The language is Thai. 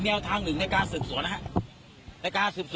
มันจะล้มอะไรนะครับ